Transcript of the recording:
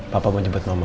papa mau jemput mama ya